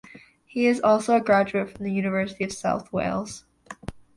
He is also a graduate of the University of New South Wales.